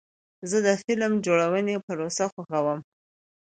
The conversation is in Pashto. زه د فلم جوړونې پروسه خوښوم.